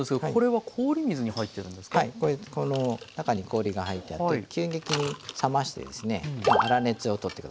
はいこの中に氷が入ってあって急激に冷ましてですね粗熱を取って下さい。